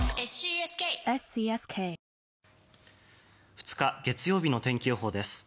２日、月曜日の天気予報です。